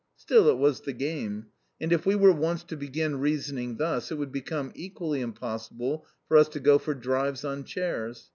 Still, it was the game, and if we were once to begin reasoning thus, it would become equally impossible for us to go for drives on chairs.